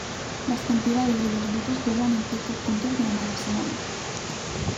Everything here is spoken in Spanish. Las cantidades de los botes doblan en ciertos puntos durante la semana.